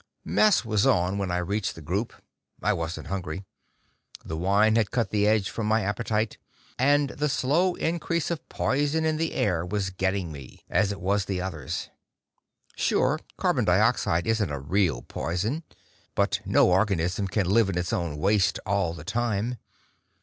Mess was on when I reached the group. I wasn't hungry. The wine had cut the edge from my appetite, and the slow increase of poison in the air was getting me, as it was the others. Sure, carbon dioxide isn't a real poison but no organism can live in its own waste, all the same.